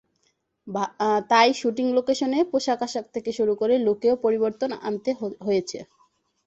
তাই শুটিং লোকেশনে পোশাক-আশাক থেকে শুরু করে লুকেও পরিবর্তন আনতে হয়েছে।